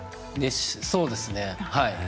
そうですね、はい。